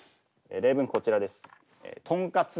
例文こちらです。